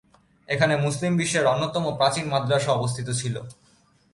এখানে মুসলিম বিশ্বের অন্যতম প্রাচীন মাদ্রাসা অবস্থিত ছিল।